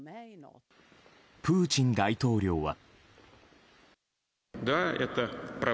プーチン大統領は。